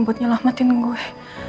buat nyelamatin gue